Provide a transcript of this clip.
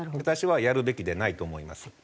私はやるべきでないと思います。